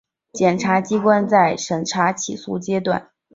检察机关在审查起诉阶段依法告知了被告人戴自更享有的诉讼权利